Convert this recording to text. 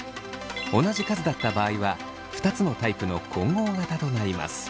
同じ数だった場合は２つのタイプの混合型となります。